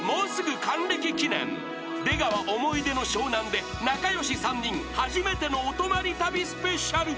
［出川思い出の湘南で仲良し３人「初めてのお泊まり旅」ＳＰ］